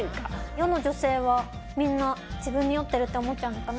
世の女性はみんな自分に酔ってるって思っちゃうのかな。